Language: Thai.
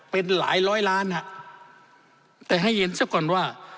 เป็นหลายร้อยล้านฮะแต่ให้เห็นซะก่อนว่า